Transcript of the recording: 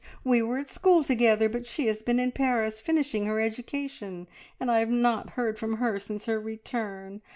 We were at school together, but she has been in Paris finishing her education, and I have not heard from her since her return.